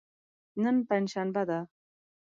نن پنج شنبه ده.